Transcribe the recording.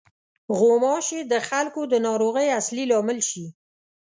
غوماشې د خلکو د ناروغۍ اصلي لامل شي.